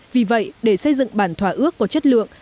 vì vậy để xây dựng bản thỏa ước có chất lượng